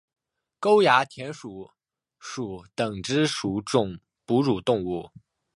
沟牙田鼠属等之数种哺乳动物。